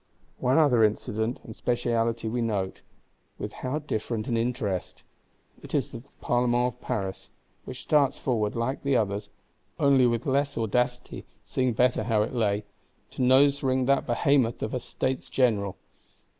One other incident and specialty we note; with how different an interest! It is of the Parlement of Paris; which starts forward, like the others (only with less audacity, seeing better how it lay), to nose ring that Behemoth of a States General.